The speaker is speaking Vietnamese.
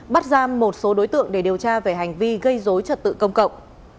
bắt giam một số đối tượng để điều tra về hành vi gây dối trật tự công cộng